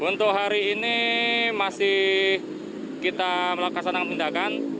untuk hari ini masih kita melakukan perlindakan